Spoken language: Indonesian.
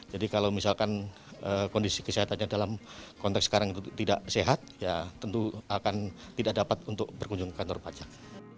jadi kalau misalkan kondisi kesehatannya dalam konteks sekarang itu tidak sehat ya tentu akan tidak dapat untuk berkunjung kantor pajak